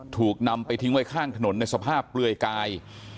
ถูกนำไปทิ้งไว้ข้างถนนในสภาพเปลือยกาย